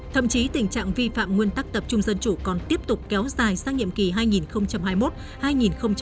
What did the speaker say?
thậm chí tình trạng vi phạm nguyên tắc tập trung dân chủ còn tiếp tục kéo dài sang nhiệm kỳ hai nghìn hai mươi một hai nghìn hai mươi năm